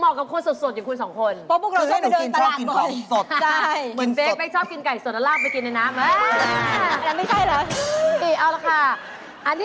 ไม่ที่ของสดเท่าไร